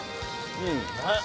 うん。